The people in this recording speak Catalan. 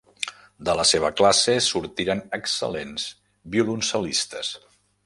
De la seva classe sortiren excel·lents violoncel·listes.